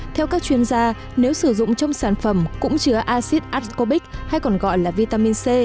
theo các chuyên gia nếu sử dụng trong sản phẩm cũng chứa acid ascobic hay còn gọi là vitamin c